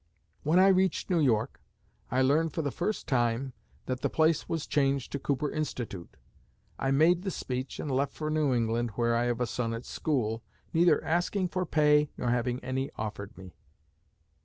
When I reached New York, I learned for the first time that the place was changed to Cooper Institute. I made the speech, and left for New England, where I have a son at school, neither asking for pay nor having any offered me.